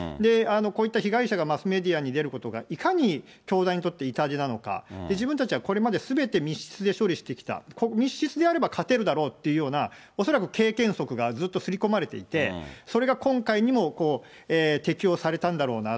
こういった被害者がマスメディアに出ることがいかに教団にとって痛手なのか、自分たちはこれまですべて密室で処理してきた、密室であれば勝てるだろうっていうような、恐らく経験則がずっとすり込まれていて、それが今回にも適用されたんだろうな。